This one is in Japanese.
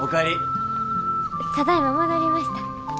ただいま戻りました。